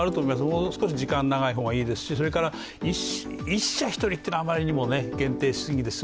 もう少し時間は長い方がいいですし、それから１社１人というのは、あまりにも限定しすぎです。